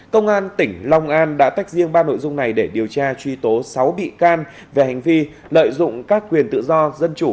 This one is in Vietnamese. công an tỉnh long an đã tách riêng ba nội dung này để điều tra truy tố sáu bị can về hành vi lợi dụng các quyền tự do dân chủ